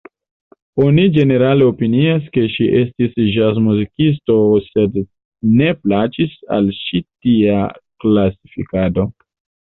Oni ĝenerale opinias ke ŝi estis ĵazmuzikisto sed ne plaĉis al ŝi tia klasifikado.